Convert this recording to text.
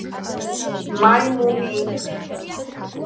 მაიმუნიიი.